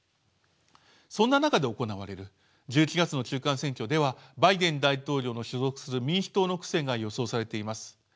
そんな中で行われる１１月の中間選挙ではバイデン大統領の所属する民主党の苦戦が予想されています。